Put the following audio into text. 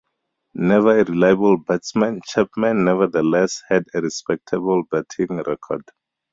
Never a reliable batsman, Chapman nevertheless had a respectable batting record.